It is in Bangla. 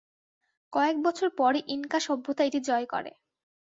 কয়েক বছর পরই ইনকা সভ্যতা এটি জয় করে।